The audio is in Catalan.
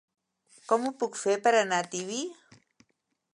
Com ho puc fer per anar a Tibi?